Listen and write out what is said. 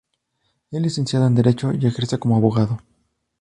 Es licenciado en Derecho y ejerce como abogado.